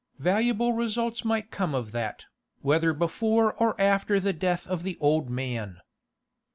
Valuable results might come of that, whether before or after the death of the old man.